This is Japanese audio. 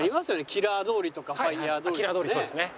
キラー通りとかファイヤー通りとかね。